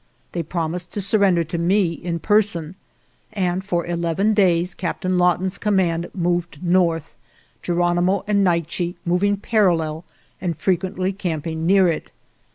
They promised to sur render to me in person, and for eleven days Captain Lawton's command moved north, Geronimo and Naiche moving parallel and frequently camping near it.